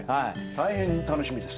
大変楽しみです。